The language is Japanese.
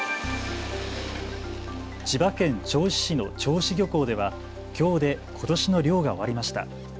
千葉県銚子市の銚子漁港ではきょうでことしの漁が終わりました。